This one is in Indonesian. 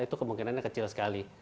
itu kemungkinannya kecil sekali